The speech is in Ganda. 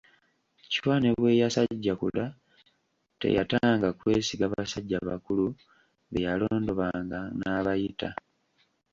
Chwa ne bwe yasajjakula teyatanga kwesiga basajja bakulu be yalondobanga n'abayita.